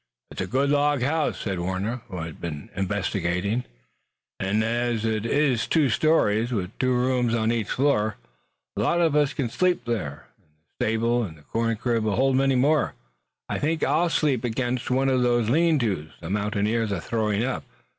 "It's a good log house," said Warner, who had been investigating, "and as it's two stories, with two rooms on each floor, a lot of us can sleep there. The stable and the corn crib will hold many more, but, as for me, I think I'll sleep against one of these lean tos the mountaineers are throwing up.